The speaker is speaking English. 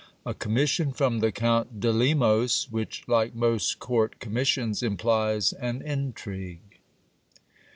A commission from the Count de Lemos, which, like most court com missions, implies an intrigue.